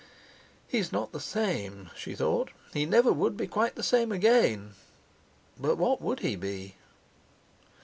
"He's not the same," she thought. He would never be quite the same again! But what would he be?